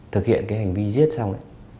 thực hiện cái hành vi giết xong